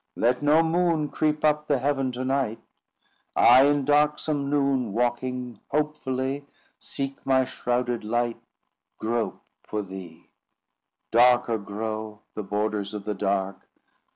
"Let no moon Creep up the heaven to night; I in darksome noon Walking hopefully, Seek my shrouded light— Grope for thee! "Darker grow The borders of the dark!